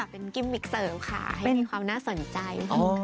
เป็นกิมมิกเซอร์ค่ะเป็นความน่าสนใจอ๋อ